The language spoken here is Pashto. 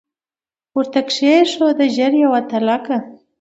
ورته کښې یې ښوده ژر یوه تلکه